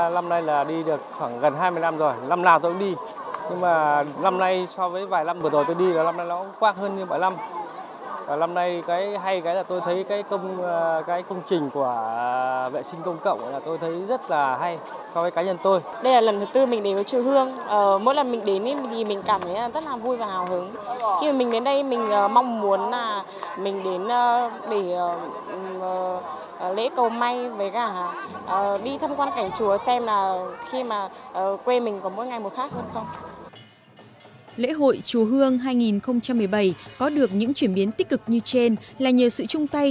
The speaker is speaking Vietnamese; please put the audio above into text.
lễ hội chùa hương hai nghìn một mươi bảy có được những chuyển biến tích cực như trên là nhờ sự chung tay